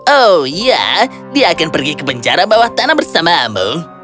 oh iya dia akan pergi ke penjara bawah tanah bersamamu